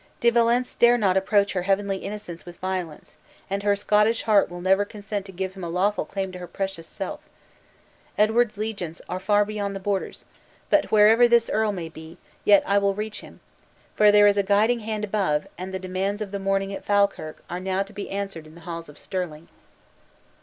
De Valence dare not approach her heavenly innocence with violence; and her Scottish heart will never consent to give him a lawful claim to her precious self. Edward's legions are far beyond the borders! but wherever this earl may be, yet I will reach him. For there is a guiding hand above, and the demands of the morning at Falkirk are now to be answered in the halls of Stirling."